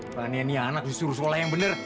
rania niana disuruh sekolah yang bener